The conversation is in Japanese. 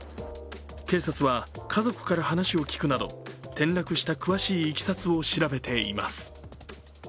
警察は家族から話を聞くなど転落した詳しいいきさつを調べています。